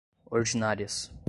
ordinárias